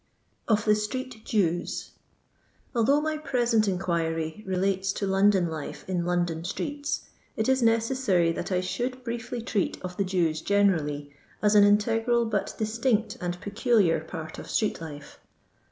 OF THE STREET JEWS. Althovoh my present inquiry relates to London life in London streets, it is necessary that I should briefly treat of the Jews generally, as an integral, but distinct and peculiar part of street life.